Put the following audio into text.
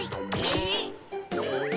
えっ？